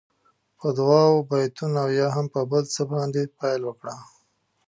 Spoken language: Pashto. په دعاوو، بېتونو او یا هم په بل څه باندې پیل وکړه.